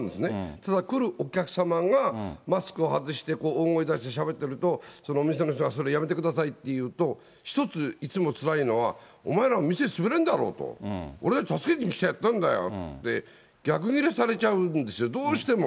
ただ来るお客様が、マスクを外して大声出してしゃべってると、そのお店の人がそれをやめてくださいって言うと、一ついつもつらいのは、お前ら、店潰れんだろうと、俺たち助けに来てやってんだよと逆切れされちゃうんですよ、どうしても。